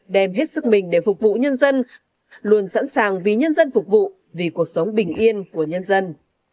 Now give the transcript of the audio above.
đem hết sức mình để phục vụ nhân dân luôn sẵn sàng vì nhân dân phục vụ vì cuộc sống bình yên của nhân dân